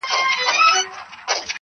و عسکرو تې ول ځئ زموږ له کوره,